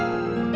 aku mau ke rumah